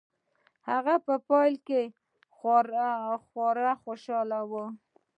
هغه په پيل کې خورا خوشحاله و.